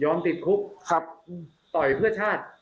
ย้องติดคุกต่อยเพื่อชาติ